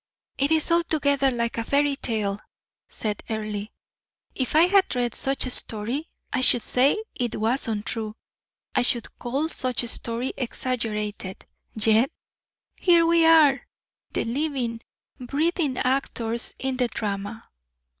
"It is altogether like a fairy tale," said Earle; "if I had read such a story, I should say it was untrue; I should call such a story exaggerated; yet, here we are, the living, breathing actors in the drama."